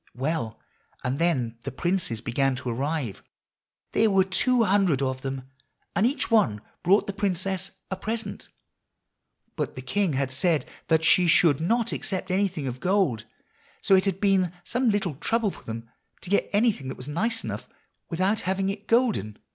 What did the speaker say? Well, and then the princes began to arrive. There were two hundred of them, and each one brought the princess a present. But the king had said that she should not accept anything of gold, so it had been some little trouble for them to get anything that was nice enough without having it golden.